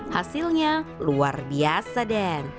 hasilnya luar biasa den